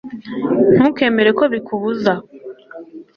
ntukemere ko bikubuza